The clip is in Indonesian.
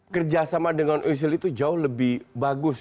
kerjasama dengan ocean itu jauh lebih bagus